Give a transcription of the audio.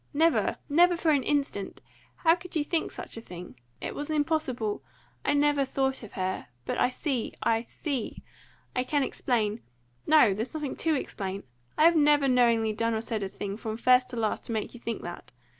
Never! Never for an instant! How could you think such a thing? It was impossible! I never thought of her. But I see I see! I can explain no, there's nothing to explain! I have never knowingly done or said a thing from first to last to make you think that.